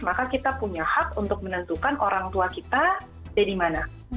maka kita punya hak untuk menentukan orang tua kita dari mana